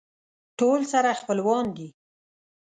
ټول سره خپلوان دي.